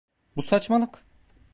Bu saçmalık.